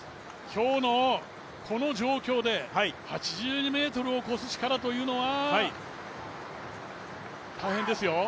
今日の、この状況で８２ｍを越す力というのは大変ですよ。